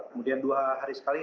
kemudian dua hari sekali